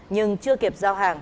nhưng chưa kịp giao hàng